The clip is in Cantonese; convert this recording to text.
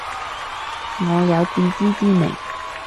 我有自知之明